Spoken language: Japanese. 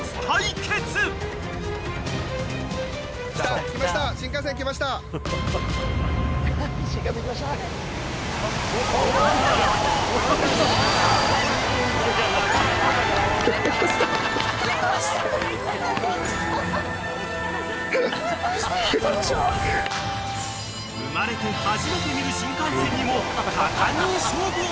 ［生まれて初めて見る新幹線にも果敢に勝負を挑むパン］